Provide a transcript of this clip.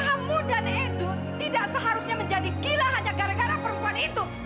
kamu dan endu tidak seharusnya menjadi gila hanya gara gara perempuan itu